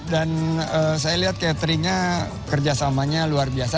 dan saya lihat cateringnya kerjasamanya luar biasa